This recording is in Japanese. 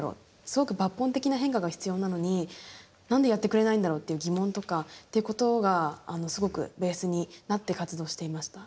すごく抜本的な変化が必要なのに何でやってくれないんだろう？っていう疑問とかっていうことがすごくベースになって活動していました。